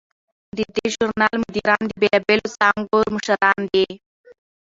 د دې ژورنال مدیران د بیلابیلو څانګو مشران دي.